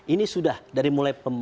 ini sudah dari mulai